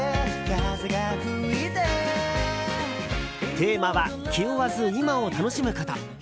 テーマは気負わず、今を楽しむこと。